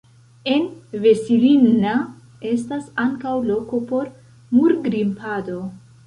En Vesilinna estas ankaŭ loko por murgrimpado.